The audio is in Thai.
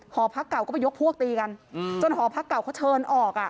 หอพักเก่าก็ไปยกพวกตีกันจนหอพักเก่าเขาเชิญออกอ่ะ